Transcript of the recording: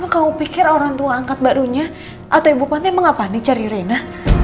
emang kamu pikir orang tua angkat barunya atau ibu panti mau ngapain nih cari rina